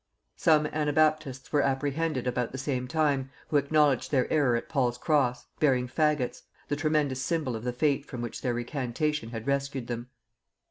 Some anabaptists were apprehended about the same time, who acknowledged their error at Paul's Cross, bearing faggots, the tremendous symbol of the fate from which their recantation had rescued them.